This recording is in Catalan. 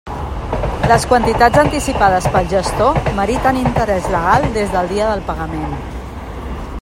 Les quantitats anticipades pel gestor meriten interès legal des del dia del pagament.